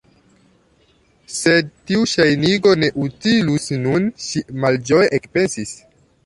"Sed tiu ŝajnigo ne utilus nun"—ŝi malĝoje ekpensis—.